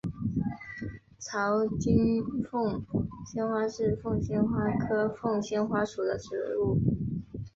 槽茎凤仙花是凤仙花科凤仙花属的植物。